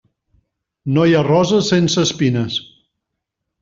No hi ha rosa sense espines.